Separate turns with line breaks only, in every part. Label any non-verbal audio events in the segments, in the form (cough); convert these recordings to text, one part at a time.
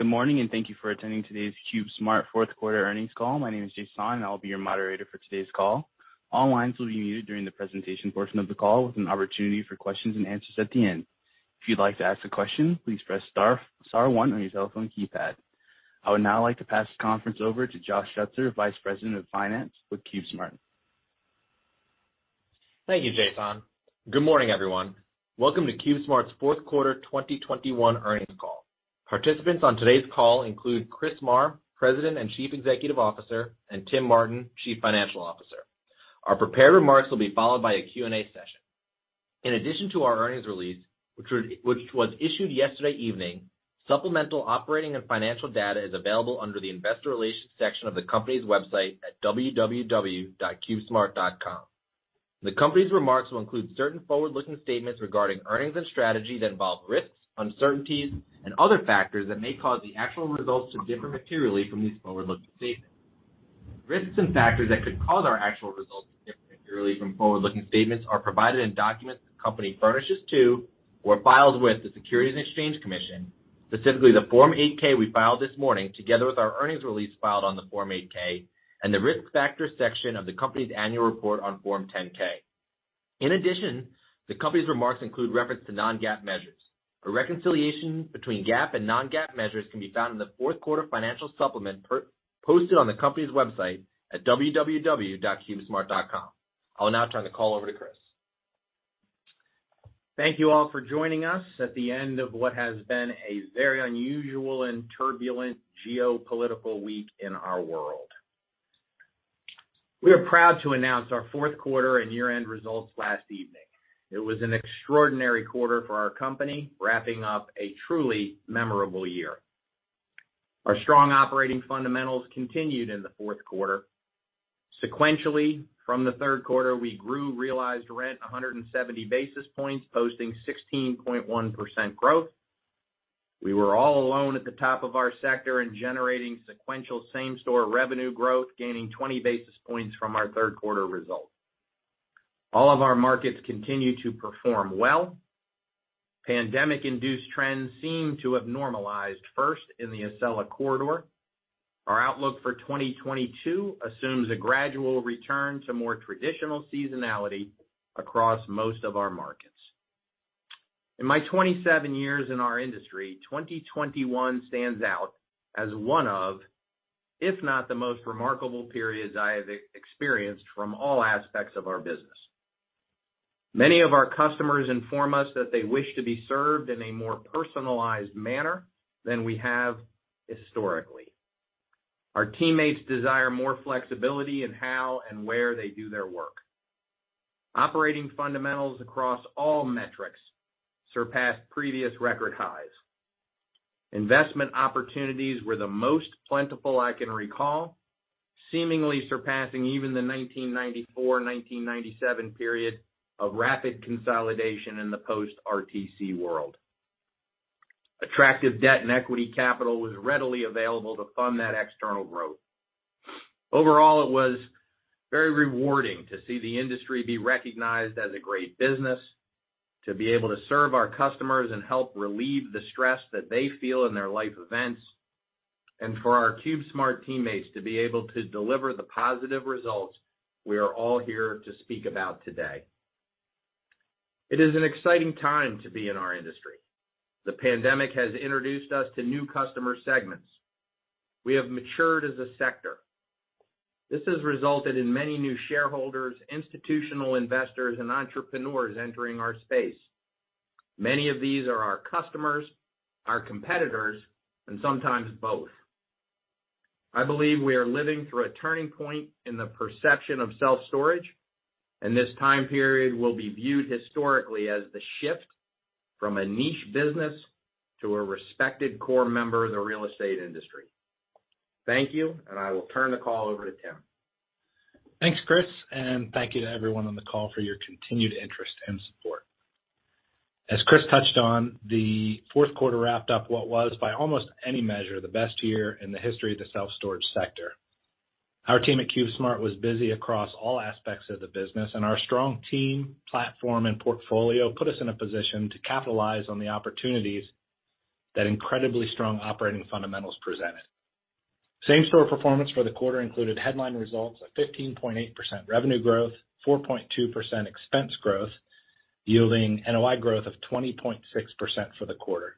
Good morning, and thank you for attending today's CubeSmart fourth quarter earnings call. My name is Jason, and I'll be your moderator for today's call. All lines will be muted during the presentation portion of the call with an opportunity for questions and answers at the end. If you'd like to ask a question, please press star star one on your telephone keypad. I would now like to pass the conference over to Josh Schutzer, Vice President of Finance with CubeSmart.
Thank you, Jason. Good morning, everyone. Welcome to CubeSmart's fourth quarter, 2021 earnings call. Participants on today's call include Chris Marr, President and Chief Executive Officer, and Tim Martin, Chief Financial Officer. Our prepared remarks will be followed by a Q&A session. In addition to our earnings release, which was issued yesterday evening, supplemental operating and financial data is available under the Investor Relations section of the company's website at www.cubesmart.com. The company's remarks will include certain forward-looking statements regarding earnings and strategy that involve risks, uncertainties, and other factors that may cause the actual results to differ materially from these forward-looking statements. Risks and factors that could cause our actual results to differ materially from forward-looking statements are provided in documents the company furnishes to or files with the Securities and Exchange Commission, specifically the Form 8-K we filed this morning, together with our earnings release filed on the Form 8-K, and the Risk Factors section of the company's annual report on Form 10-K. In addition, the company's remarks include reference to non-GAAP measures. A reconciliation between GAAP and non-GAAP measures can be found in the fourth quarter financial supplement posted on the company's website at www.cubesmart.com. I'll now turn the call over to Chris.
Thank you all for joining us at the end of what has been a very unusual and turbulent geopolitical week in our world. We are proud to announce our fourth quarter and year-end results last evening. It was an extraordinary quarter for our company, wrapping up a truly memorable year. Our strong operating fundamentals continued in the fourth quarter. Sequentially, from the third quarter, we grew realized rent 170 basis points, posting 16.1% growth. We were all alone at the top of our sector in generating sequential same-store revenue growth, gaining 20 basis points from our third quarter results. All of our markets continue to perform well. Pandemic-induced trends seem to have normalized first in the Acela Corridor. Our outlook for 2022 assumes a gradual return to more traditional seasonality across most of our markets. In my 27 years in our industry, 2021 stands out as one of, if not the most remarkable periods I have experienced from all aspects of our business. Many of our customers inform us that they wish to be served in a more personalized manner than we have historically. Our teammates desire more flexibility in how and where they do their work. Operating fundamentals across all metrics surpassed previous record highs. Investment opportunities were the most plentiful I can recall, seemingly surpassing even the 1994-1997 period of rapid consolidation in the post-RTC world. Attractive debt and equity capital was readily available to fund that external growth. Overall, it was very rewarding to see the industry be recognized as a great business, to be able to serve our customers and help relieve the stress that they feel in their life events, and for our CubeSmart teammates to be able to deliver the positive results we are all here to speak about today. It is an exciting time to be in our industry. The pandemic has introduced us to new customer segments. We have matured as a sector. This has resulted in many new shareholders, institutional investors, and entrepreneurs entering our space. Many of these are our customers, our competitors, and sometimes both. I believe we are living through a turning point in the perception of self-storage, and this time period will be viewed historically as the shift from a niche business to a respected core member of the real estate industry. Thank you, and I will turn the call over to Tim.
Thanks, Chris, and thank you to everyone on the call for your continued interest and support. As Chris touched on, the fourth quarter wrapped up what was, by almost any measure, the best year in the history of the self-storage sector. Our team at CubeSmart was busy across all aspects of the business, and our strong team, platform, and portfolio put us in a position to capitalize on the opportunities that incredibly strong operating fundamentals presented. Same-store performance for the quarter included headline results of 15.8% revenue growth, 4.2% expense growth, yielding NOI growth of 20.6% for the quarter.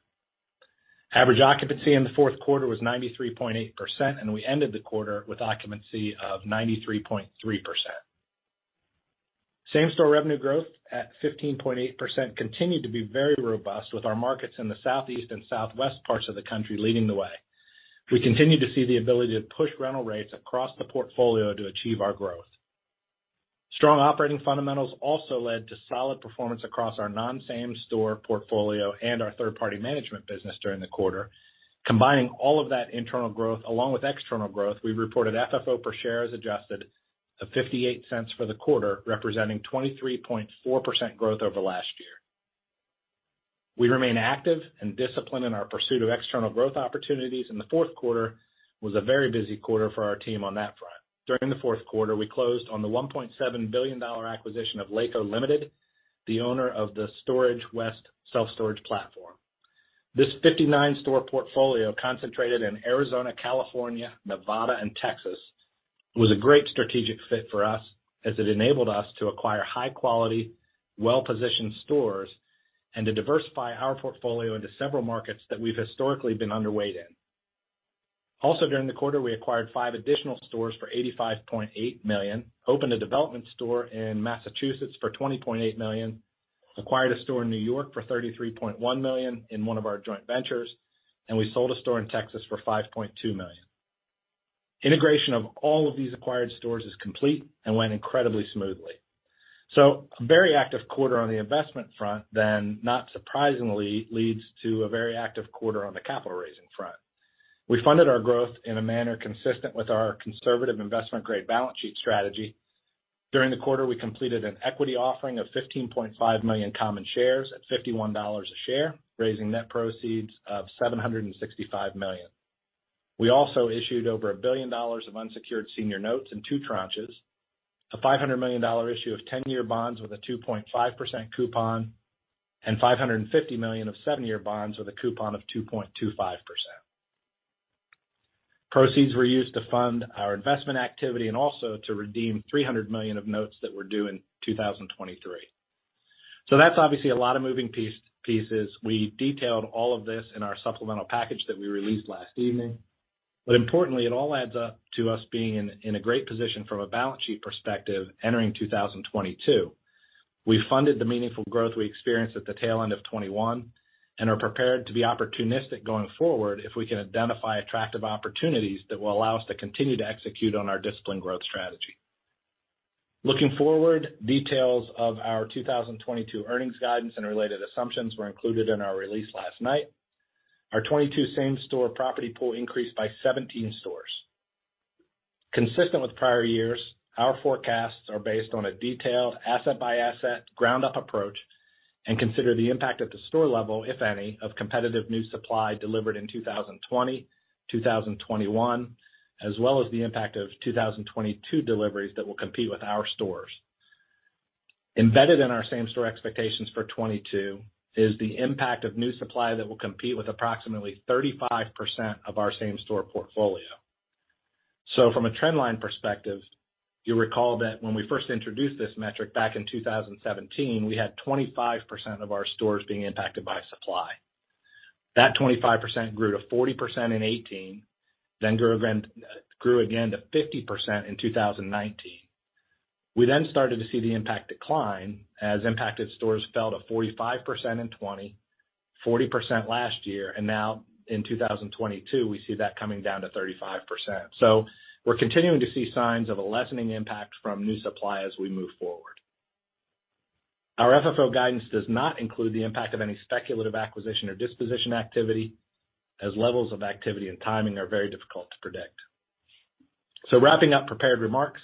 Average occupancy in the fourth quarter was 93.8%, and we ended the quarter with occupancy of 93.3%. Same-store revenue growth at 15.8% continued to be very robust with our markets in the southeast and southwest parts of the country leading the way. We continue to see the ability to push rental rates across the portfolio to achieve our growth. Strong operating fundamentals also led to solid performance across our non-same store portfolio and our third-party management business during the quarter. Combining all of that internal growth along with external growth, we reported FFO per share as adjusted to $0.58 for the quarter, representing 23.4% growth over last year. We remain active and disciplined in our pursuit of external growth opportunities, and the fourth quarter was a very busy quarter for our team on that front. During the fourth quarter, we closed on the $1.7 billion acquisition of LAACO, Ltd., the owner of the Storage West self-storage platform. This 59-store portfolio concentrated in Arizona, California, Nevada, and Texas was a great strategic fit for us as it enabled us to acquire high quality, well-positioned stores and to diversify our portfolio into several markets that we've historically been underweight in. Also, during the quarter, we acquired five additional stores for $85.8 million, opened a development store in Massachusetts for $20.8 million, acquired a store in New York for $33.1 million in one of our joint ventures, and we sold a store in Texas for $5.2 million. Integration of all of these acquired stores is complete and went incredibly smoothly. A very active quarter on the investment front then, not surprisingly, leads to a very active quarter on the capital raising front. We funded our growth in a manner consistent with our conservative investment-grade balance sheet strategy. During the quarter, we completed an equity offering of 15.5 million common shares at $51 a share, raising net proceeds of $765 million. We also issued over $1 billion of unsecured senior notes in two tranches, a $500 million issue of 10-year bonds with a 2.5% coupon and $550 million of seven-year bonds with a coupon of 2.25%. Proceeds were used to fund our investment activity and also to redeem $300 million of notes that were due in 2023. That's obviously a lot of moving pieces. We detailed all of this in our supplemental package that we released last evening. Importantly, it all adds up to us being in a great position from a balance sheet perspective entering 2022. We funded the meaningful growth we experienced at the tail end of 2021 and are prepared to be opportunistic going forward if we can identify attractive opportunities that will allow us to continue to execute on our disciplined growth strategy. Looking forward, details of our 2022 earnings guidance and related assumptions were included in our release last night. Our 2022 same store property pool increased by 17 stores. Consistent with prior years, our forecasts are based on a detailed asset-by-asset ground-up approach and consider the impact at the store level, if any, of competitive new supply delivered in 2020, 2021, as well as the impact of 2022 deliveries that will compete with our stores. Embedded in our same store expectations for 2022 is the impact of new supply that will compete with approximately 35% of our same store portfolio. From a trend line perspective, you'll recall that when we first introduced this metric back in 2017, we had 25% of our stores being impacted by supply. That 25% grew to 40% in 2018, then grew again to 50% in 2019. We then started to see the impact decline as impacted stores fell to 45% in 2020, 40% last year, and now in 2022, we see that coming down to 35%. We're continuing to see signs of a lessening impact from new supply as we move forward. Our FFO guidance does not include the impact of any speculative acquisition or disposition activity, as levels of activity and timing are very difficult to predict. Wrapping up prepared remarks,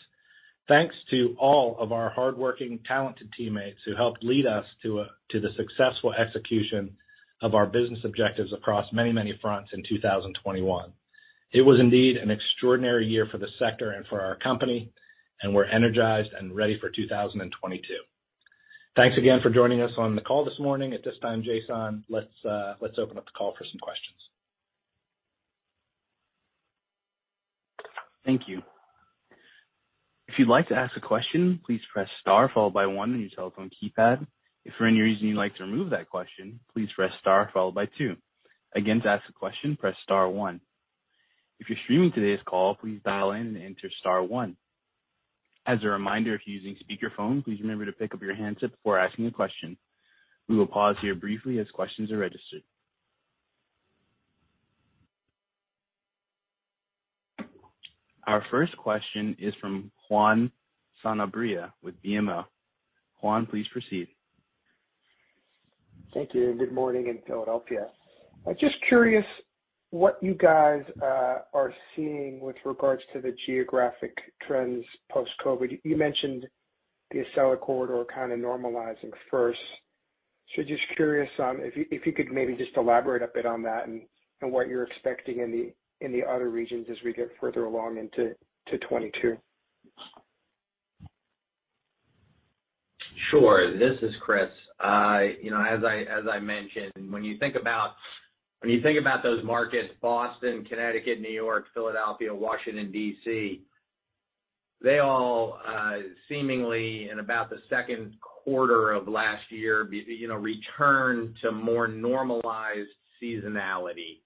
thanks to all of our hardworking, talented teammates who helped lead us to the successful execution of our business objectives across many, many fronts in 2021. It was indeed an extraordinary year for the sector and for our company, and we're energized and ready for 2022. Thanks again for joining us on the call this morning. At this time, Jason, let's open up the call for some questions.
Our first question is from Juan Sanabria with BMO. Juan, please proceed.
Thank you, good morning in Philadelphia. I'm just curious what you guys are seeing with regards to the geographic trends post-COVID. You mentioned the Acela Corridor kind of normalizing first. Just curious, if you could maybe just elaborate a bit on that and what you're expecting in the other regions as we get further along into 2022.
Sure. This is Chris. You know, as I mentioned, when you think about those markets, Boston, Connecticut, New York, Philadelphia, Washington, D.C., they all seemingly in about the second quarter of last year, you know, returned to more normalized seasonality.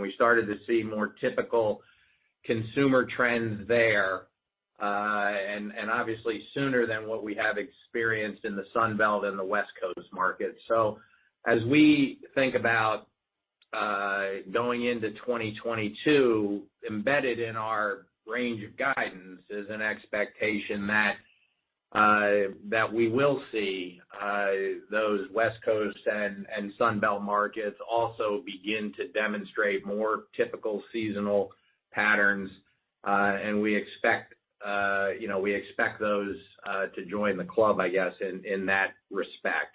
We started to see more typical consumer trends there. Obviously sooner than what we have experienced in the Sun Belt and the West Coast market. As we think about going into 2022, embedded in our range of guidance is an expectation that we will see those West Coast and Sun Belt markets also begin to demonstrate more typical seasonal patterns. We expect, you know, we expect those to join the club, I guess, in that respect.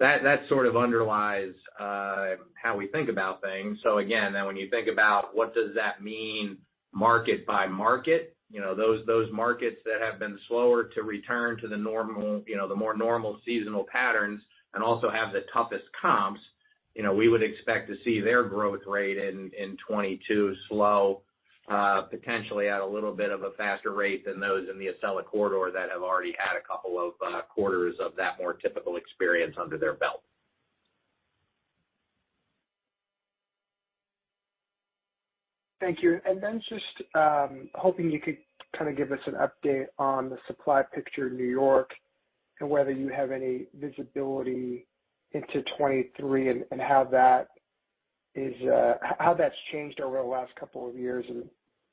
That sort of underlies how we think about things. Again, when you think about what does that mean market by market, you know, those markets that have been slower to return to the normal, you know, the more normal seasonal patterns and also have the toughest comps, you know, we would expect to see their growth rate in 2022 slow, potentially at a little bit of a faster rate than those in the Acela Corridor that have already had a couple of quarters of that more typical experience under their belt.
Thank you. Just hoping you could kind of give us an update on the supply picture in New York and whether you have any visibility into 2023 and how that's changed over the last couple of years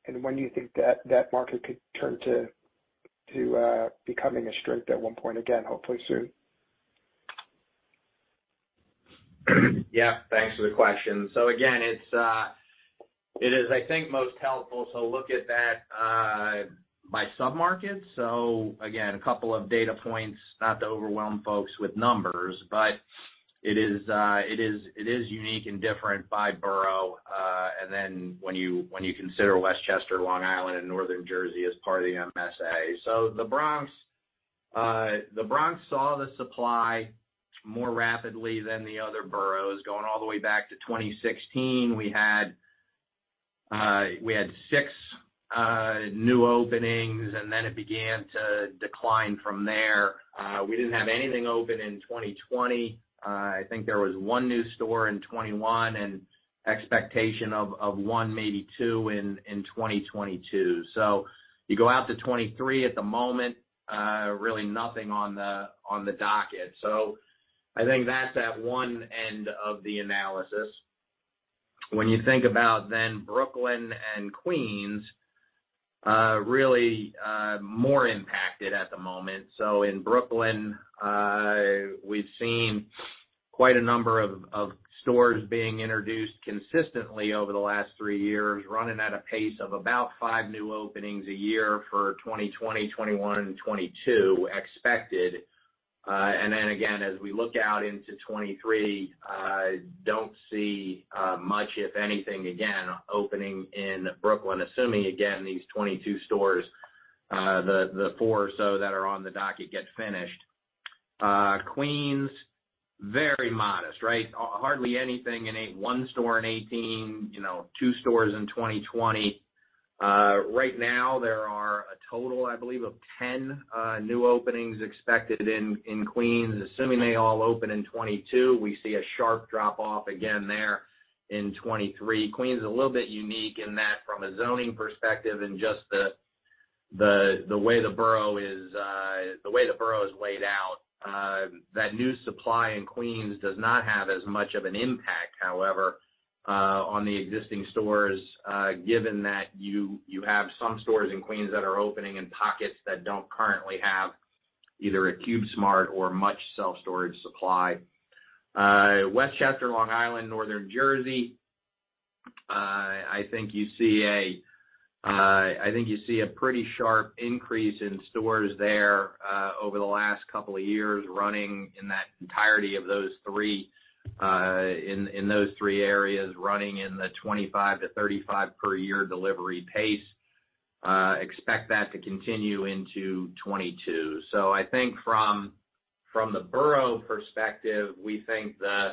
and when you think that market could turn to becoming a strength at one point again, hopefully soon.
Thanks for the question. It's most helpful to look at that by submarkets. Again, a couple of data points, not to overwhelm folks with numbers, but it's unique and different by borough. Then when you consider Westchester, Long Island and Northern Jersey as part of the MSA. The Bronx saw the supply more rapidly than the other boroughs. Going all the way back to 2016, we had six new openings, and then it began to decline from there. We didn't have anything open in 2020. I think there was one new store in 2021 and expectation of one, maybe two in 2022. You go out to 2023 at the moment, really nothing on the docket. I think that's at one end of the analysis. When you think about then Brooklyn and Queens, really more impacted at the moment. In Brooklyn, we've seen quite a number of stores being introduced consistently over the last three years, running at a pace of about five new openings a year for 2020, 2021 and 2022 expected. And then again, as we look out into 2023, I don't see much if anything, again, opening in Brooklyn, assuming again, these 22 stores, the four or so that are on the docket get finished. Queens, very modest, right? Hardly anything in. One store in 2018. You know, two stores in 2020. Right now there are a total, I believe, of 10 new openings expected in Queens. Assuming they all open in 2022, we see a sharp drop-off again there in 2023. Queens is a little bit unique in that from a zoning perspective and just the way the borough is laid out, that new supply in Queens does not have as much of an impact, however, on the existing stores, given that you have some stores in Queens that are opening in pockets that don't currently have either a CubeSmart or much self-storage supply. Westchester, Long Island, Northern Jersey, I think you see a pretty sharp increase in stores there over the last couple of years running in that entirety of those three areas running in the 25-35 per year delivery pace. Expect that to continue into 2022. I think from the borough perspective, we think the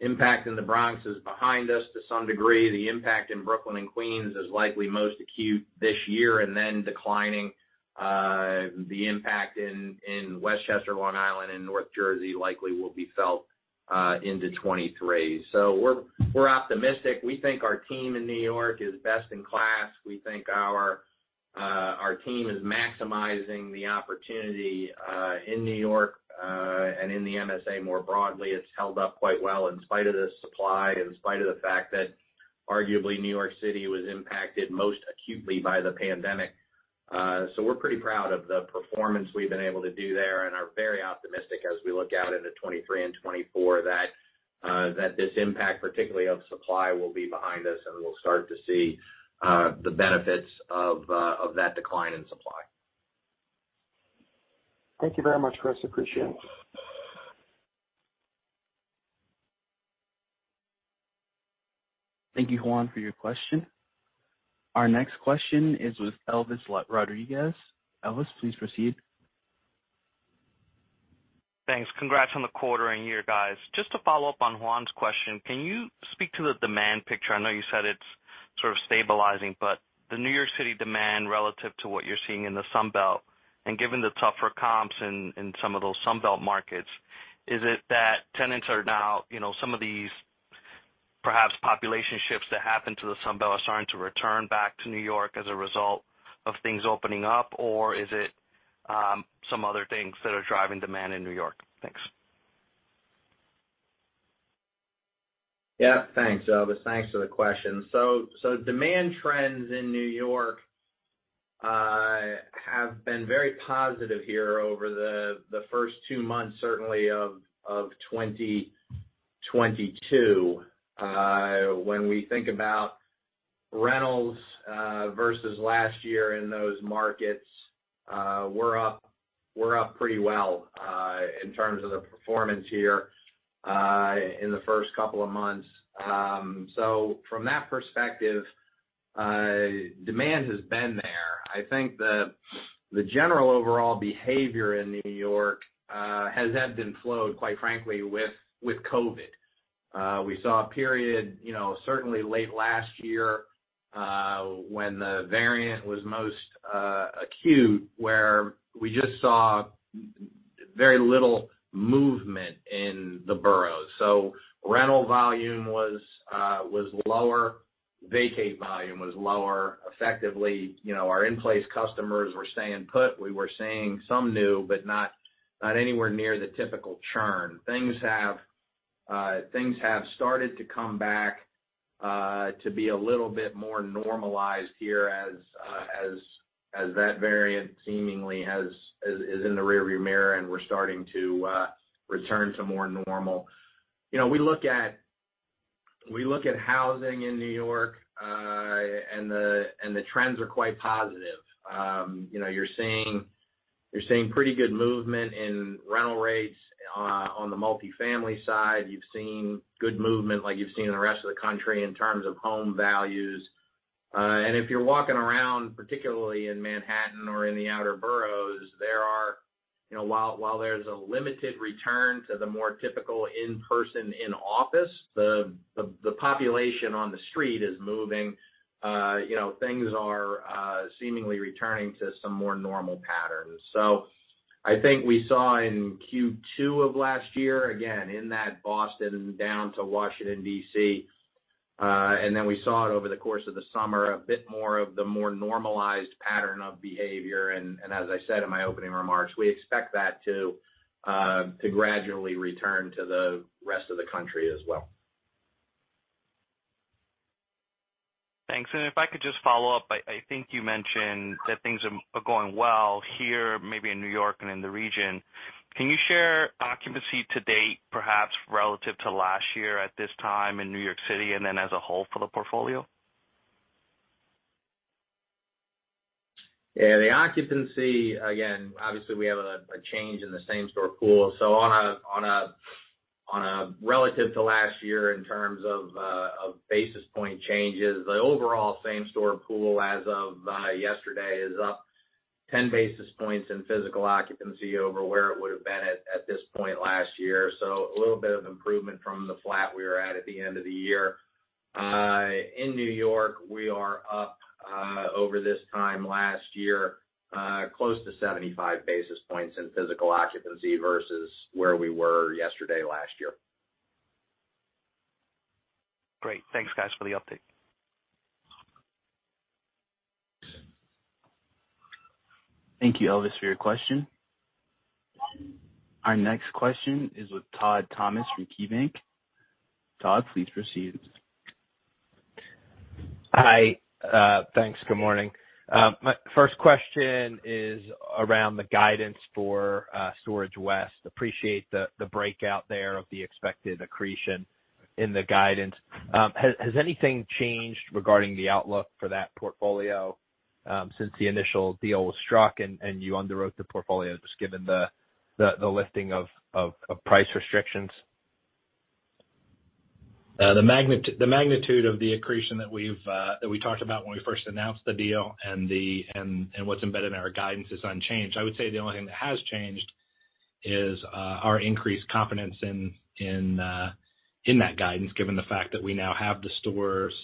impact in the Bronx is behind us to some degree. The impact in Brooklyn and Queens is likely most acute this year and then declining, the impact in Westchester, Long Island and North Jersey likely will be felt into 2023. We're optimistic. We think our team in New York is best in class. We think our team is maximizing the opportunity in New York and in the MSA more broadly. It's held up quite well in spite of the supply, in spite of the fact that arguably New York City was impacted most acutely by the pandemic. We're pretty proud of the performance we've been able to do there and are very optimistic as we look out into 2023 and 2024 that this impact, particularly of supply, will be behind us and we'll start to see the benefits of that decline in supply.
Thank you very much, Chris. Appreciate it.
Thank you, Juan, for your question. Our next question is with Elvis Rodriguez. Elvis, please proceed.
Thanks. Congrats on the quarter and year, guys. Just to follow up on Juan's question, can you speak to the demand picture? I know you said it's sort of stabilizing, but the New York City demand relative to what you're seeing in the Sun Belt, and given the tougher comps in some of those Sun Belt markets, is it that tenants are now, you know, some of these perhaps population shifts that happened to the Sun Belt are starting to return back to New York as a result of things opening up? Or is it some other things that are driving demand in New York?
Thanks. Yeah. Thanks, Elvis. Thanks for the question. Demand trends in New York have been very positive here over the first two months, certainly of 2022. When we think about rentals versus last year in those markets, we're up pretty well in terms of the performance here in the first couple of months. From that perspective, demand has been there. I think the general overall behavior in New York has ebbed and flowed, quite frankly, with COVID. We saw a period, you know, certainly late last year, when the variant was most acute, where we just saw very little movement in the boroughs. Rental volume was lower, vacate volume was lower. Effectively, you know, our in-place customers were staying put. We were seeing some new, but not anywhere near the typical churn. Things have started to come back to be a little bit more normalized here as that variant seemingly is in the rear view mirror and we're starting to return to more normal. You know, we look at housing in New York and the trends are quite positive. You know, you're seeing pretty good movement in rental rates on the multifamily side. You've seen good movement, like you've seen in the rest of the country in terms of home values. If you're walking around, particularly in Manhattan or in the outer boroughs, there are, you know, while there's a limited return to the more typical in-person in-office, the population on the street is moving. You know, things are seemingly returning to some more normal patterns. I think we saw in Q2 of last year, again, in that Boston down to Washington, D.C., and then we saw it over the course of the summer, a bit more of the more normalized pattern of behavior. As I said in my opening remarks, we expect that to gradually return to the rest of the country as well.
Thanks. If I could just follow up. I think you mentioned that things are going well here, maybe in New York and in the region. Can you share occupancy to date, perhaps relative to last year at this time in New York City and then as a whole for the portfolio?
Yeah. The occupancy, again, obviously we have a change in the same-store pool. So on a relative to last year in terms of basis point changes, the overall same-store pool as of yesterday is up 10 basis points in physical occupancy over where it would've been at this point last year. So a little bit of improvement from the flat we were at at the end of the year. In New York, we are up over this time last year close to 75 basis points in physical occupancy versus where we were yesterday last year.
Great. Thanks, guys, for the update.
Thank you, Elvis, for your question. Our next question is with Todd Thomas from KeyBank. Todd, please proceed.
Hi. Thanks. Good morning. My first question is around the guidance for Storage West. Appreciate the breakout there of the expected accretion in the guidance. Has anything changed regarding the outlook for that portfolio since the initial deal was struck and you underwrote the portfolio, just given the lifting of price restrictions?
The magnitude of the accretion that we talked about when we first announced the deal and what's embedded in our guidance is unchanged. I would say the only thing that has changed is our increased confidence in that guidance, given the fact that we now have the stores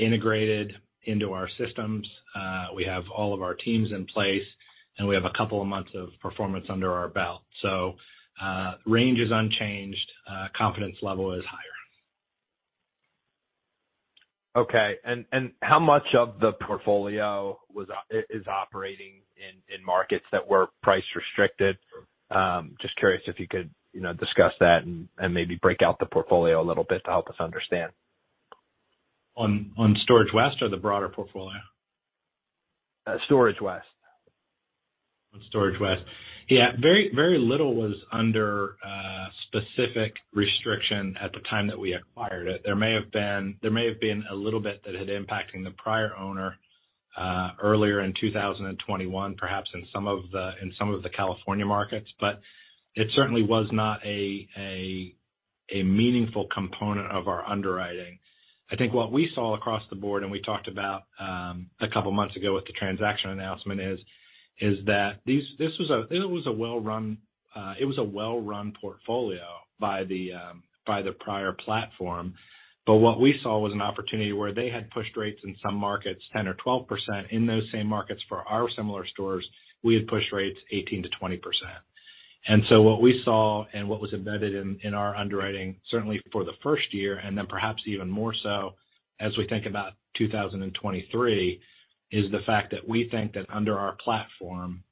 integrated into our systems. We have all of our teams in place, and we have a couple of months of performance under our belt. Range is unchanged, confidence level is higher.
How much of the portfolio is operating in markets that were price restricted? Just curious if you could, you know, discuss that and maybe break out the portfolio a little bit to help us understand.
On Storage West or the broader portfolio?
Storage West.
On Storage West. Yeah. Very, very little was under specific restriction at the time that we acquired it. There may have been a little bit that had impact in the prior owner earlier in 2021, perhaps in some of the California markets, but it certainly was not a meaningful component of our underwriting. I think what we saw across the board, and we talked about a couple months ago with the transaction announcement is that this was a well-run portfolio by the prior platform. What we saw was an opportunity where they had pushed rates in some markets 10% or 12%. In those same markets for our similar stores, we had pushed rates 18%-20%. What we saw and what was embedded in our underwriting, certainly for the first year, and then perhaps even more so as we think about 2023, is the fact that we think that under our platform,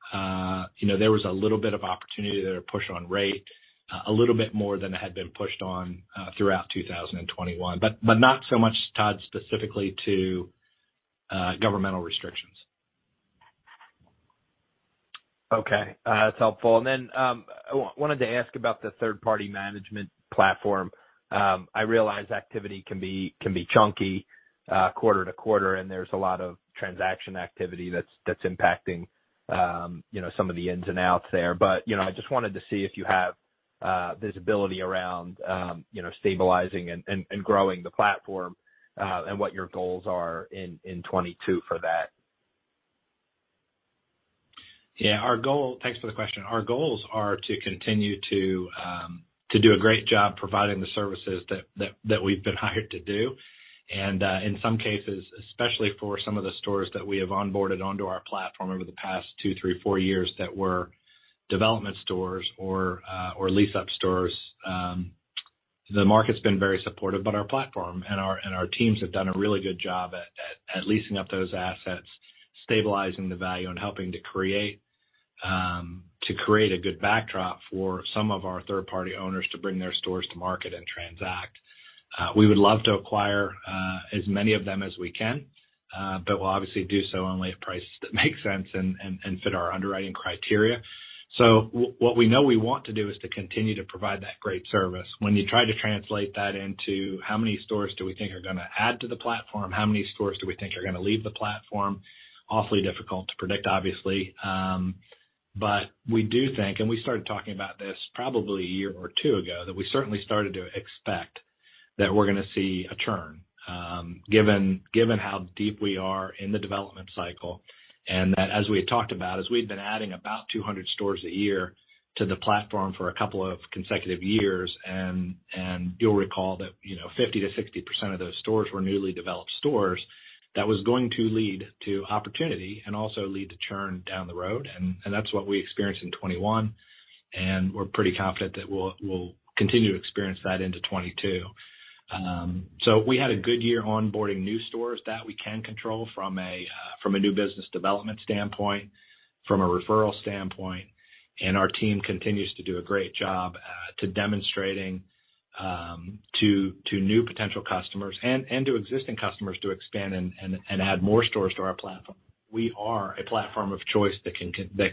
you know, there was a little bit of opportunity there to push on rate a little bit more than it had been pushed on throughout 2021. Not so much, Todd, specifically to governmental restrictions.
Okay. That's helpful. Then, I wanted to ask about the third-party management platform. I realize activity can be chunky quarter to quarter, and there's a lot of transaction activity that's impacting you know, some of the ins and outs there. You know, I just wanted to see if you have visibility around you know, stabilizing and growing the platform, and what your goals are in 2022 for that.
Thanks for the question. Our goals are to continue to do a great job providing the services that we've been hired to do. In some cases, especially for some of the stores that we have onboarded onto our platform over the past two, three, four years that were development stores or lease-up stores, the market's been very supportive. Our platform and our teams have done a really good job at leasing up those assets, stabilizing the value, and helping to create a good backdrop for some of our third-party owners to bring their stores to market and transact. We would love to acquire as many of them as we can, but we'll obviously do so only at prices that make sense and fit our underwriting criteria. What we know we want to do is to continue to provide that great service. When you try to translate that into how many stores do we think are gonna add to the platform, how many stores do we think are gonna leave the platform, it's awfully difficult to predict, obviously. We do think, and we started talking about this probably a year or two ago, that we certainly started to expect that we're gonna see a turn, given how deep we are in the development cycle, and that as we had talked about, as we've been adding about 200 stores a year to the platform for a couple of consecutive years, and you'll recall that, you know, 50%-60% of those stores were newly developed stores, that was going to lead to opportunity and also lead to churn down the road. That's what we experienced in 2021, and we're pretty confident that we'll continue to experience that into 2022. We had a good year onboarding new stores that we can control from a new business development standpoint, from a referral standpoint, and our team continues to do a great job to demonstrating to new potential customers and add more stores to our platform. We are a platform of choice that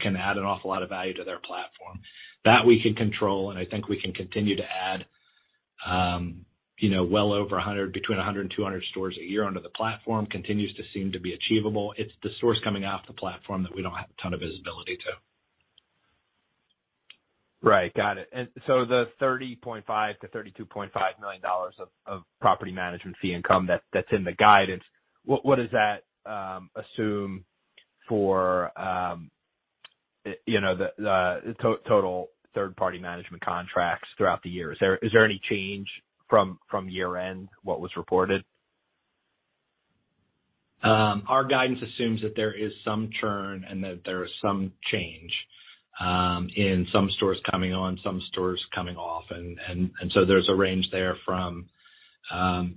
can add an awful lot of value to their platform that we can control, and I think we can continue to add, you know, well over 100, between 100 and 200 stores a year onto the platform continues to seem to be achievable. It's the stores coming off the platform that we don't have a ton of visibility to.
Right. Got it. The $30.5 million-$32.5 million of property management fee income that's in the guidance, what does that assume for, you know, the total third-party management contracts throughout the year? Is there any change from year-end, what was reported?
Our guidance assumes that there is some churn and that there is some change in some stores coming on, some stores coming off. So there's a range there from,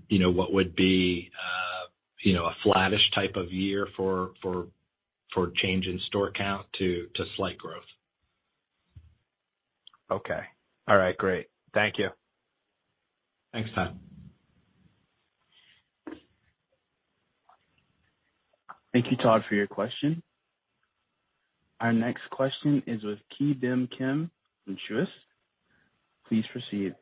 you know, what would be, you know, a flattish type of year for change in store count to slight growth.
Okay. All right. Great. Thank you.
Thanks, Todd.
Thank you, Todd, for your question. Our next question is with Ki Bin Kim from Truist. Please proceed.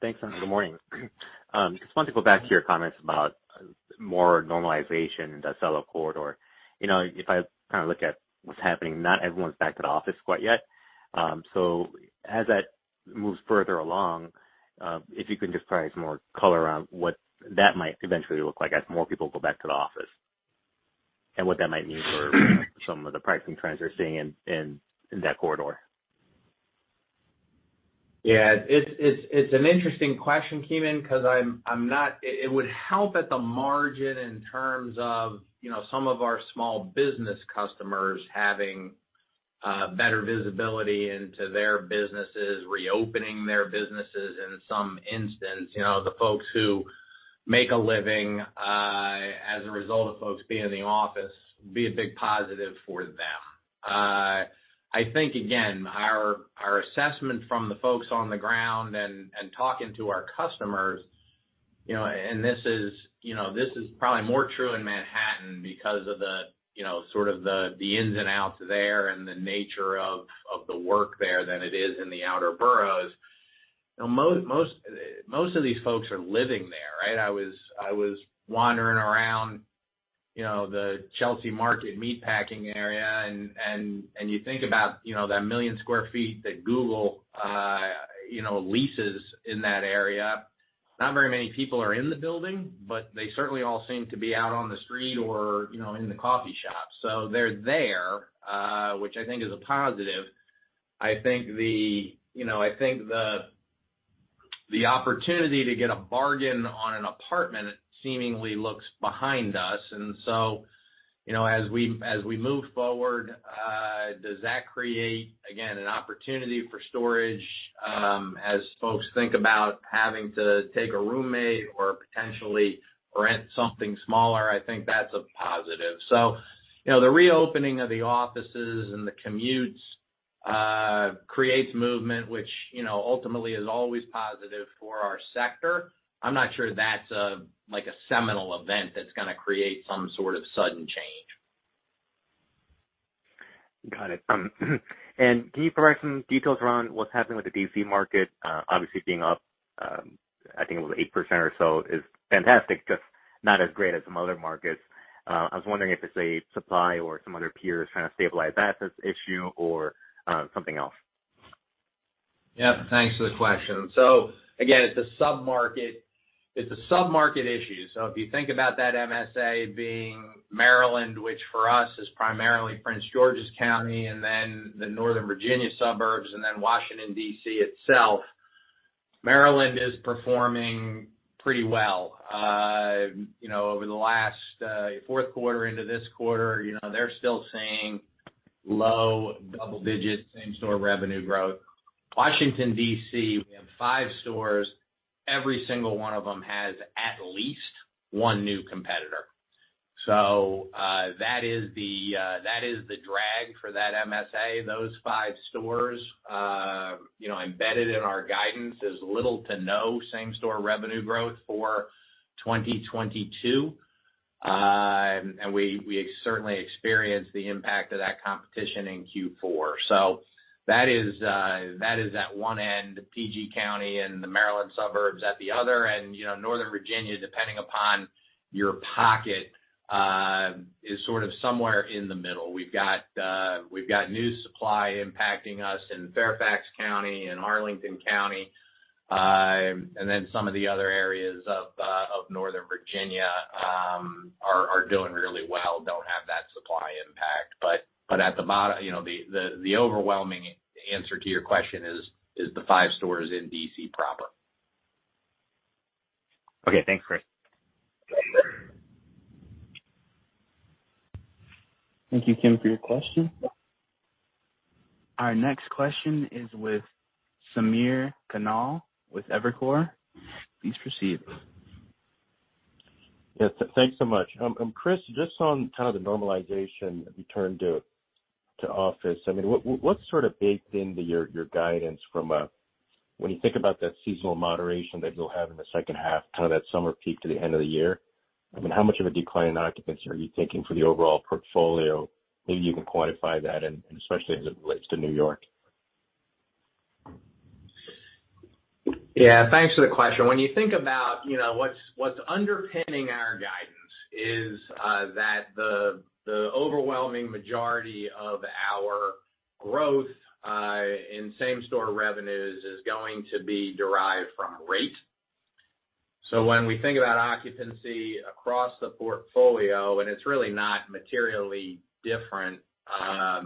Thanks. Good morning. Just wanted to go back to your comments about more normalization in the Acela Corridor. You know, if I kind of look at what's happening, not everyone's back to the office quite yet. As that moves further along, if you can just provide some more color around what that might eventually look like as more people go back to the office and what that might mean for some of the pricing trends you're seeing in that corridor.
Yeah. It's an interesting question, Ki Bin, 'cause I'm not... It would help at the margin in terms of, you know, some of our small business customers having better visibility into their businesses, reopening their businesses in some instance. You know, the folks who make a living as a result of folks being in the office, be a big positive for them. I think, again, our assessment from the folks on the ground and talking to our customers, you know, and this is, you know, this is probably more true in Manhattan because of the, you know, sort of the ins and outs there and the nature of the work there than it is in the outer boroughs. You know, most of these folks are living there, right? I was wandering around, you know, the Chelsea Market meatpacking area and you think about, you know, that 1 million sq ft that Google leases in that area. Not very many people are in the building, but they certainly all seem to be out on the street or, you know, in the coffee shop. They're there, which I think is a positive. I think the opportunity to get a bargain on an apartment seemingly looks behind us and so, you know, as we move forward, does that create, again, an opportunity for storage as folks think about having to take a roommate or potentially rent something smaller? I think that's a positive. You know, the reopening of the offices and the commutes creates movement, which, you know, ultimately is always positive for our sector. I'm not sure that's a like a seminal event that's gonna create some sort of sudden change.
Got it. Can you provide some details around what's happening with the D.C. market? Obviously being up, I think it was 8% or so is fantastic, just not as great as some other markets. I was wondering if it's a supply or some other peers trying to stabilize that as the issue or something else.
Yeah. Thanks for the question. Again, it's a sub-market issue. If you think about that MSA being Maryland, which for us is primarily Prince George's County, and then the Northern Virginia suburbs, and then Washington, D.C. itself, Maryland is performing pretty well. You know, over the last fourth quarter into this quarter, you know, they're still seeing low double digits same-store revenue growth. Washington, D.C., we have five stores. Every single one of them has at least one new competitor. That is the drag for that MSA, those five stores. You know, embedded in our guidance is little to no same-store revenue growth for 2022. We certainly experienced the impact of that competition in Q4. That is at one end, PG County and the Maryland suburbs at the other. You know, Northern Virginia, depending upon your pocket, is sort of somewhere in the middle. We've got new supply impacting us in Fairfax County and Arlington County. Then some of the other areas of Northern Virginia are doing really well, don't have that supply impact. But at the moment, you know, the overwhelming answer to your question is the five stores in D.C. proper.
Okay. Thanks, Chris.
You bet.
Thank you, Kim, for your question. Our next question is with Samir Khanal with Evercore. Please proceed.
Yes. Thanks so much. Chris, just on kind of the normalization return to office, I mean, what's sort of baked into your guidance. When you think about that seasonal moderation that you'll have in the second half, kind of that summer peak to the end of the year, I mean, how much of a decline in occupancy are you taking for the overall portfolio? Maybe you can quantify that and especially as it relates to New York.
Yeah. Thanks for the question. When you think about, you know, what's underpinning our guidance is that the overwhelming majority of our growth in same-store revenues is going to be derived from rate. When we think about occupancy across the portfolio, and it's really not materially different,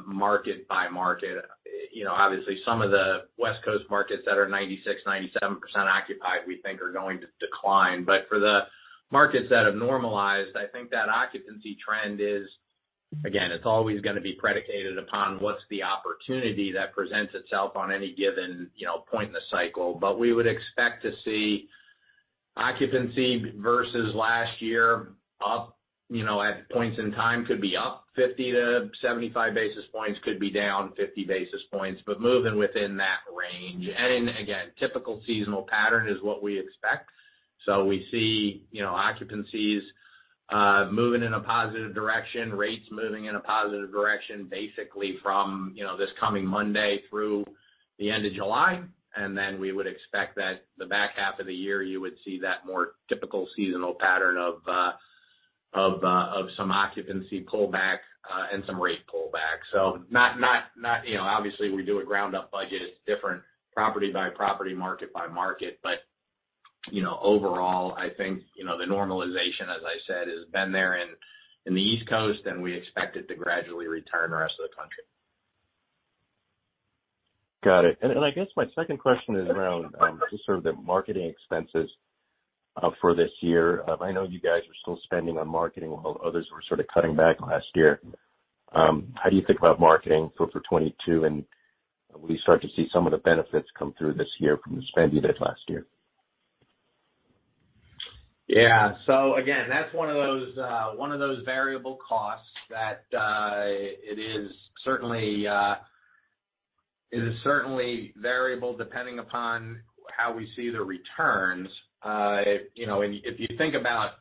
market by market. You know, obviously some of the West Coast markets that are 96%-97% occupied, we think are going to decline. For the markets that have normalized, I think that occupancy trend is, again, it's always gonna be predicated upon what's the opportunity that presents itself on any given, you know, point in the cycle. We would expect to see occupancy versus last year up, you know, at points in time could be up 50-75 basis points, could be down 50 basis points, but moving within that range. Again, typical seasonal pattern is what we expect. We see, you know, occupancies moving in a positive direction, rates moving in a positive direction, basically from, you know, this coming Monday through the end of July. Then we would expect that the back half of the year you would see that more typical seasonal pattern of some occupancy pullback and some rate pullback. Not, you know, obviously we do a ground-up budget. It's different property by property, market by market. You know, overall, I think, you know, the normalization, as I said, has been there in the East Coast, and we expect it to gradually return the rest of the country.
Got it. I guess my second question is around just sort of the marketing expenses for this year. I know you guys are still spending on marketing while others were sort of cutting back last year. How do you think about marketing sort of for 2022, and will you start to see some of the benefits come through this year from the spend you did last year?
Yeah. Again, that's one of those variable costs that it is certainly variable depending upon how we see the returns. You know, and if you think about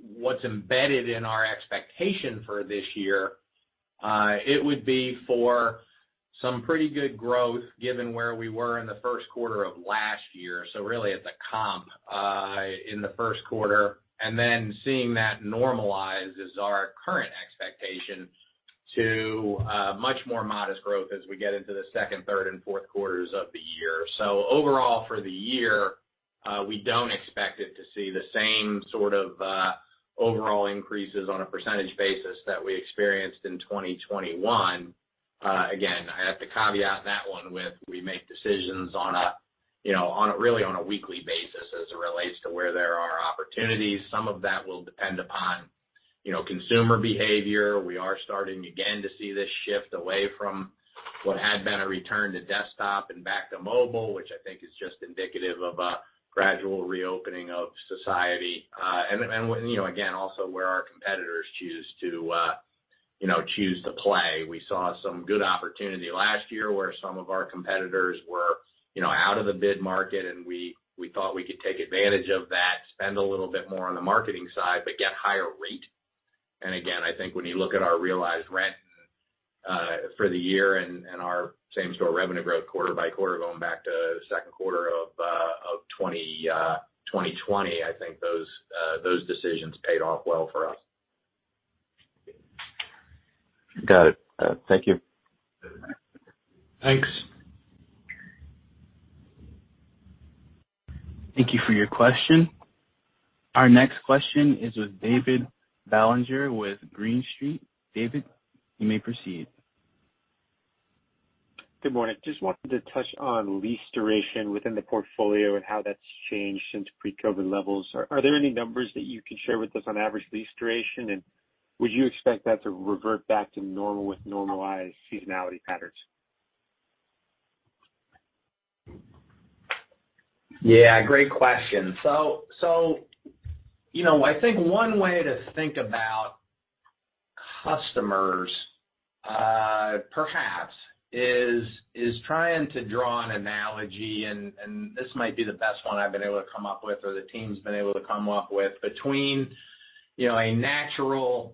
what's embedded in our expectation for this year, it would be for some pretty good growth given where we were in the first quarter of last year, so really as a comp in the first quarter. Seeing that normalize is our current expectation to much more modest growth as we get into the second, third, and fourth quarters of the year. Overall for the year, we don't expect it to see the same sort of overall increases on a percentage basis that we experienced in 2021. Again, I have to caveat that one with, we make decisions on a, you know, really weekly basis as it relates to where there are opportunities. Some of that will depend upon, you know, consumer behavior. We are starting again to see this shift away from what had been a return to desktop and back to mobile, which I think is just indicative of a gradual reopening of society. You know, again, also where our competitors choose to, you know, choose to play. We saw some good opportunity last year where some of our competitors were, you know, out of the bid market, and we thought we could take advantage of that, spend a little bit more on the marketing side, but get higher rate. Again, I think when you look at our realized rent for the year and our same-store revenue growth quarter by quarter, going back to second quarter of 2020, I think those decisions paid off well for us.
Got it. Thank you.
Thanks.
Thank you for your question. Our next question is with David Balaguer with Green Street. David, you may proceed.
Good morning. Just wanted to touch on lease duration within the portfolio and how that's changed since pre-COVID levels. Are there any numbers that you can share with us on average lease duration? Would you expect that to revert back to normal with normalized seasonality patterns?
Yeah, great question. I think one way to think about customers perhaps is trying to draw an analogy, and this might be the best one I've been able to come up with or the team's been able to come up with, between a natural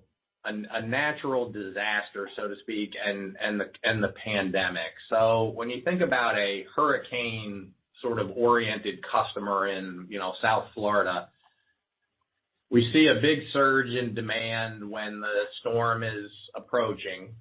disaster, so to speak, and the pandemic. When you think about a hurricane sort of oriented customer in South Florida, we see a big surge in demand when the storm is approaching.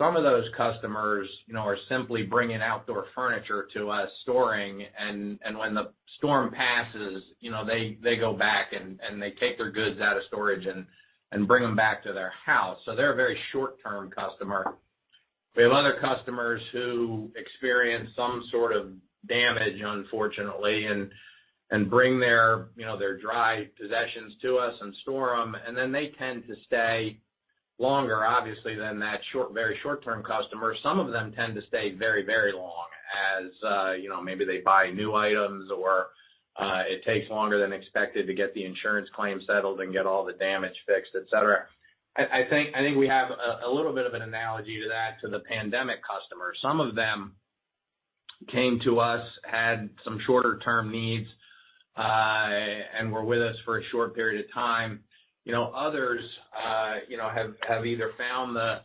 Some of those customers are simply bringing outdoor furniture to us, storing, and when the storm passes, they go back and they take their goods out of storage and bring them back to their house. They're a very short-term customer. We have other customers who experience some sort of damage, unfortunately, and bring their, you know, their dry possessions to us and store them, and then they tend to stay longer, obviously, than that very short-term customer. Some of them tend to stay very, very long as, you know, maybe they buy new items or, it takes longer than expected to get the insurance claim settled and get all the damage fixed, et cetera. I think we have a little bit of an analogy to that, to the pandemic customer. Some of them came to us, had some shorter-term needs, and were with us for a short period of time. You know, others, you know, have either found the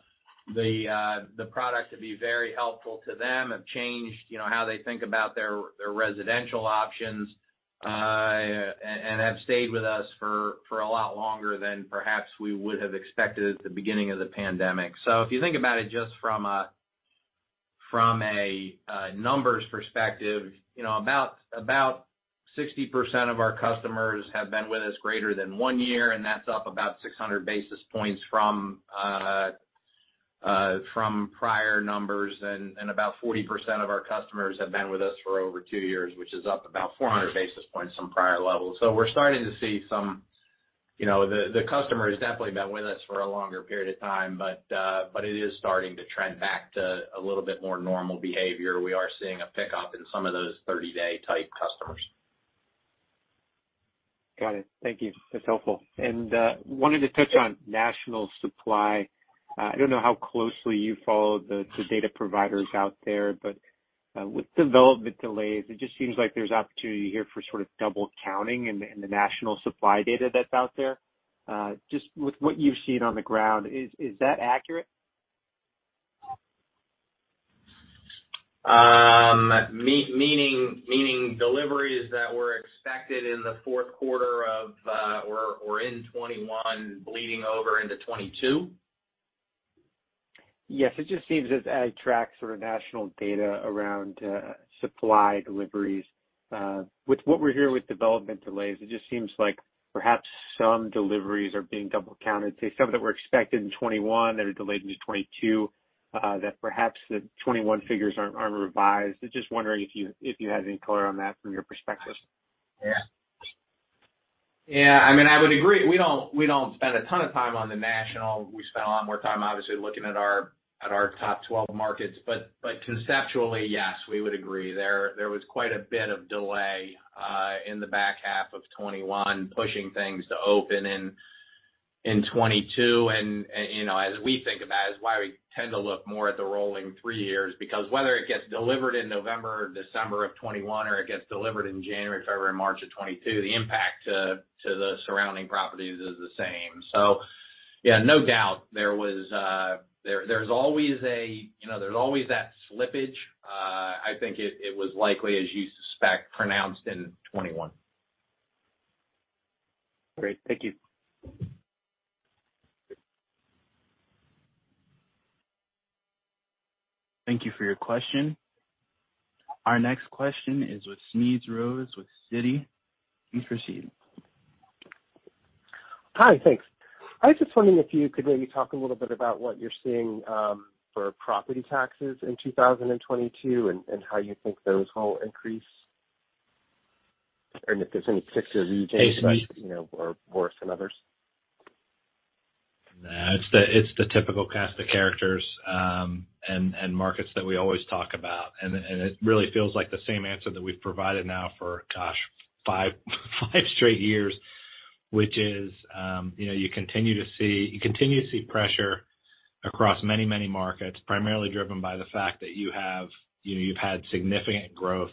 product to be very helpful to them, have changed, you know, how they think about their residential options, and have stayed with us for a lot longer than perhaps we would have expected at the beginning of the pandemic. If you think about it just from a numbers perspective, you know, about 60% of our customers have been with us greater than one year, and that's up about 600 basis points from prior numbers. About 40% of our customers have been with us for over two years, which is up about 400 basis points from prior levels. We're starting to see some. You know, the customer has definitely been with us for a longer period of time, but it is starting to trend back to a little bit more normal behavior. We are seeing a pickup in some of those 30-day type customers.
Got it. Thank you. That's helpful. Wanted to touch on national supply. I don't know how closely you follow the data providers out there, but with development delays, it just seems like there's opportunity here for sort of double counting in the national supply data that's out there. Just with what you've seen on the ground, is that accurate?
Meaning deliveries that were expected in the fourth quarter of, or in 2021 bleeding over into 2022?
Yes. It just seems as I track sort of national data around supply deliveries with what we hear with development delays, it just seems like perhaps some deliveries are being double counted, say, some that were expected in 2021 that are delayed into 2022, that perhaps the 2021 figures aren't revised. Just wondering if you had any color on that from your perspective.
Yeah. Yeah, I mean, I would agree. We don't spend a ton of time on the national. We spend a lot more time, obviously, looking at our top 12 markets. Conceptually, yes, we would agree. There was quite a bit of delay in the back half of 2021, pushing things to open in 2022. You know, as we think about it's why we tend to look more at the rolling three years, because whether it gets delivered in November or December of 2021 or it gets delivered in January, February or March of 2022, the impact to the surrounding properties is the same. Yeah, no doubt there was. There's always, you know, that slippage. I think it was likely, as you suspect, pronounced in 2021.
Great. Thank you.
Thank you for your question. Our next question is with Smedes Rose with Citi. Please proceed.
Hi. Thanks. I was just wondering if you could maybe talk a little bit about what you're seeing for property taxes in 2022 and how you think those will increase, and if there's any ticks or? (audio distortion)
Hey, Smedes
you know, or worse than others.
Nah. It's the typical cast of characters and markets that we always talk about. It really feels like the same answer that we've provided now for, gosh, five straight years, which is, you know, you continue to see pressure across many markets, primarily driven by the fact that you have, you know, you've had significant growth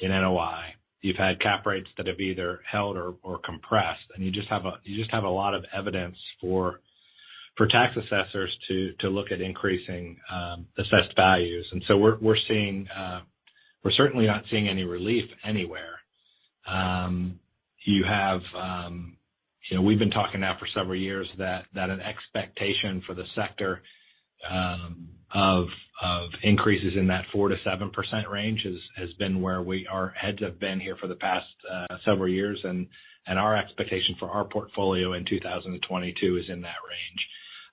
in NOI. You've had cap rates that have either held or compressed, and you just have a lot of evidence for tax assessors to look at increasing assessed values. We're seeing. We're certainly not seeing any relief anywhere. You have, you know, we've been talking now for several years that an expectation for the sector of increases in that 4%-7% range has been where our heads have been here for the past several years. Our expectation for our portfolio in 2022 is in that range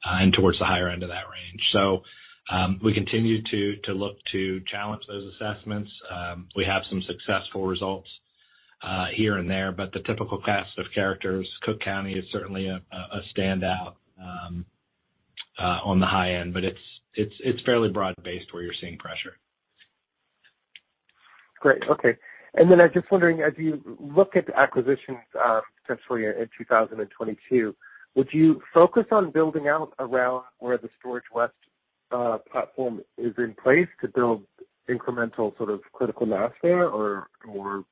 and towards the higher end of that range. We continue to look to challenge those assessments. We have some successful results here and there, but the typical cast of characters, Cook County is certainly a standout on the high end, but it's fairly broad-based where you're seeing pressure.
Great. Okay. I'm just wondering, as you look at the acquisitions, potentially in 2022, would you focus on building out around where the Storage West platform is in place to build incremental sort of critical mass there, or would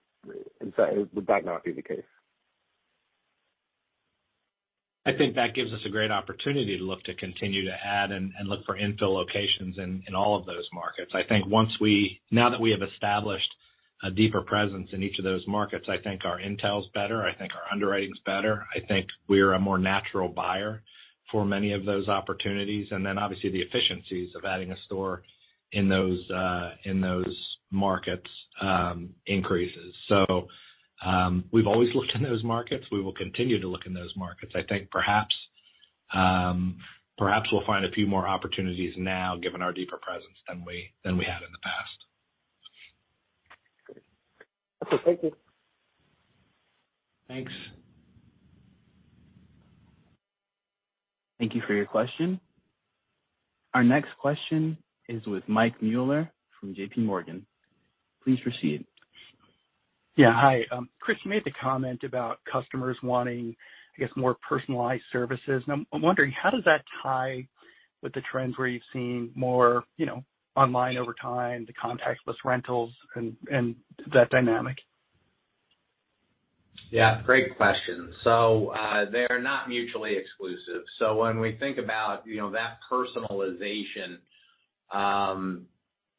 that not be the case?
I think that gives us a great opportunity to look to continue to add and look for infill locations in all of those markets. I think now that we have established a deeper presence in each of those markets, I think our intel is better. I think our underwriting's better. I think we're a more natural buyer for many of those opportunities. Obviously, the efficiencies of adding a store in those markets increases. We've always looked in those markets. We will continue to look in those markets. I think perhaps we'll find a few more opportunities now, given our deeper presence than we had in the past.
Okay. Thank you.
Thanks.
Thank you for your question. Our next question is with Mike Mueller from JPMorgan. Please proceed.
Yeah. Hi. Chris, you made the comment about customers wanting, I guess, more personalized services. I'm wondering, how does that tie with the trends where you've seen more, you know, online over time, the contactless rentals and that dynamic?
Yeah, great question. They're not mutually exclusive. When we think about, you know, that personalization,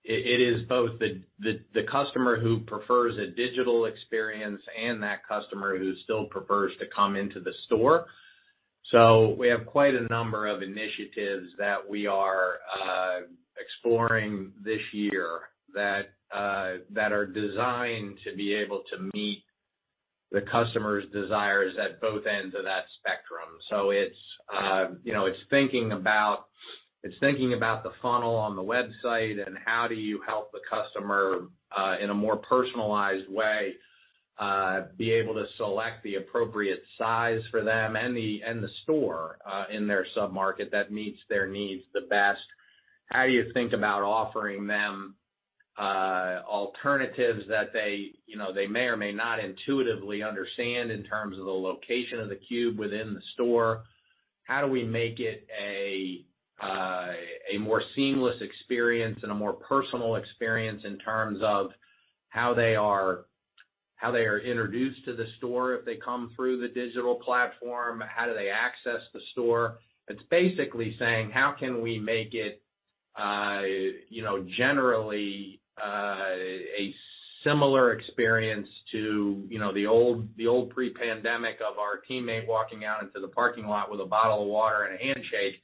it is both the customer who prefers a digital experience and that customer who still prefers to come into the store. We have quite a number of initiatives that we are exploring this year that are designed to be able to meet the customer's desires at both ends of that spectrum. It's, you know, it's thinking about the funnel on the website and how do you help the customer in a more personalized way be able to select the appropriate size for them and the store in their sub-market that meets their needs the best. How you think about offering them alternatives that they, you know, they may or may not intuitively understand in terms of the location of the cube within the store. How do we make it a more seamless experience and a more personal experience in terms of how they are introduced to the store if they come through the digital platform, how do they access the store? It's basically saying, how can we make it, you know, generally, a similar experience to, you know, the old pre-pandemic of our teammate walking out into the parking lot with a bottle of water and a handshake.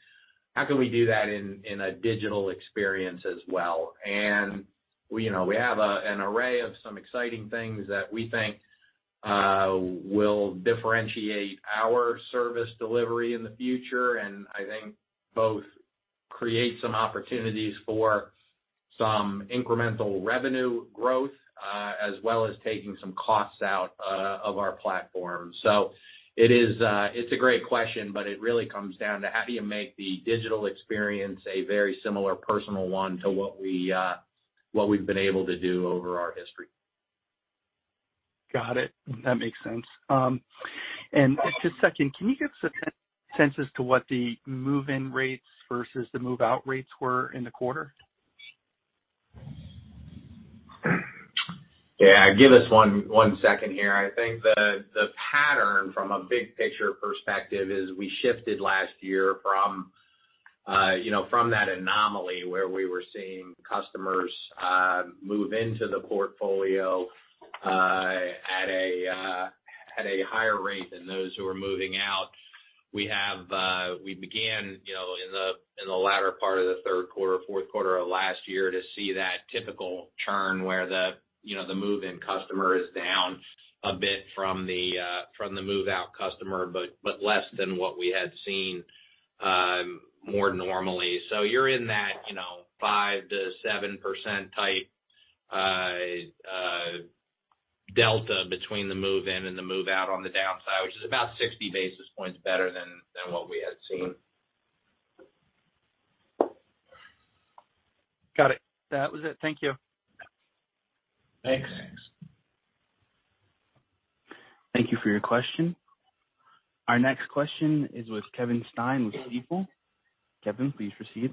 How can we do that in a digital experience as well? You know, we have an array of some exciting things that we think will differentiate our service delivery in the future, and I think both create some opportunities for some incremental revenue growth, as well as taking some costs out of our platform. It's a great question, but it really comes down to how do you make the digital experience a very similar personal one to what we've been able to do over our history.
Got it. That makes sense. Just a second, can you give us a sense as to what the move-in rates versus the move-out rates were in the quarter?
Yeah, give us one second here. I think the pattern from a big picture perspective is we shifted last year from that anomaly where we were seeing customers move into the portfolio at a higher rate than those who are moving out. We began you know in the latter part of the third quarter, fourth quarter of last year to see that typical churn where you know the move-in customer is down a bit from the move-out customer, but less than what we had seen more normally. You're in that you know 5%-7% type delta between the move in and the move out on the downside, which is about 60 basis points better than what we had seen.
Got it. That was it. Thank you.
Thanks.
Thank you for your question. Our next question is with Kevin Stein with Stifel. Kevin, please proceed.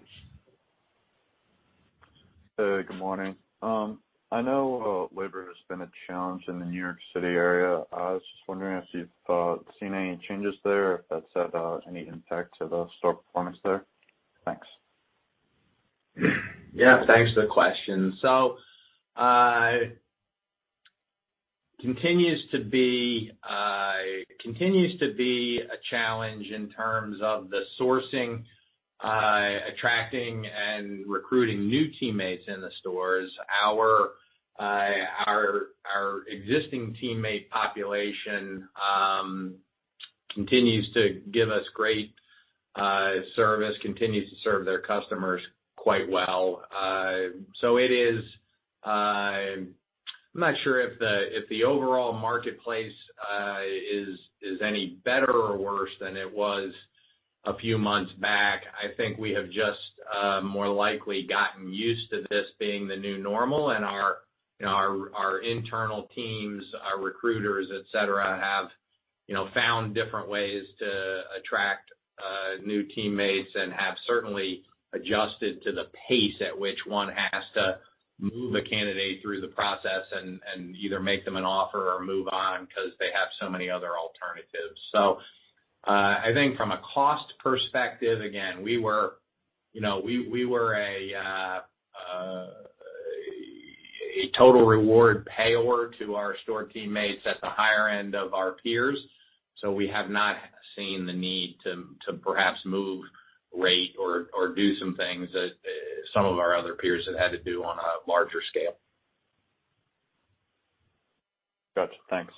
Hey, good morning. I know labor has been a challenge in the New York City area. I was just wondering if you've seen any changes there, if that's had any impact to the store performance there. Thanks.
Yeah, thanks for the question. It continues to be a challenge in terms of the sourcing, attracting and recruiting new teammates in the stores. Our existing teammate population continues to give us great service, continues to serve their customers quite well. I'm not sure if the overall marketplace is any better or worse than it was a few months back. I think we have just more likely gotten used to this being the new normal and our, you know, our internal teams, our recruiters, et cetera, have, you know, found different ways to attract new teammates and have certainly adjusted to the pace at which one has to move a candidate through the process and either make them an offer or move on because they have so many other alternatives. I think from a cost perspective, again, we were, you know, we were a total reward payer to our store teammates at the higher end of our peers. We have not seen the need to perhaps move rate or do some things that some of our other peers have had to do on a larger scale.
Gotcha. Thanks.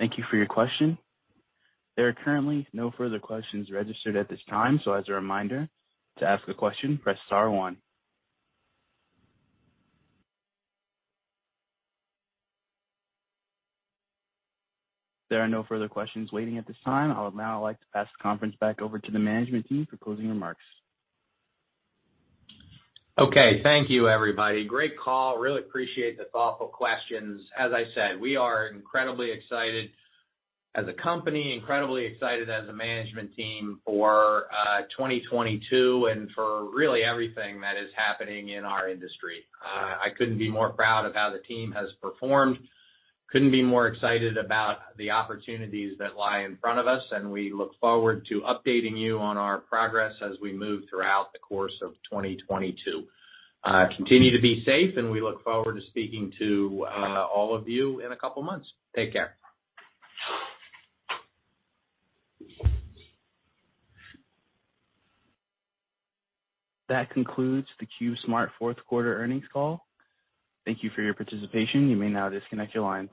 Thank you for your question. There are currently no further questions registered at this time. As a reminder, to ask a question, press star one. There are no further questions waiting at this time. I would now like to pass the conference back over to the management team for closing remarks.
Okay, thank you, everybody. Great call. Really appreciate the thoughtful questions. As I said, we are incredibly excited as a company, incredibly excited as a management team for 2022 and for really everything that is happening in our industry. I couldn't be more proud of how the team has performed. Couldn't be more excited about the opportunities that lie in front of us, and we look forward to updating you on our progress as we move throughout the course of 2022. Continue to be safe, and we look forward to speaking to all of you in a couple of months. Take care.
That concludes the CubeSmart fourth quarter earnings call. Thank you for your participation. You may now disconnect your lines.